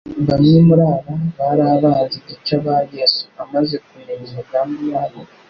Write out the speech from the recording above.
Bamwe muri aba, bari abanzi gica ba Yesu. Amaze kumenya imigambi yabo,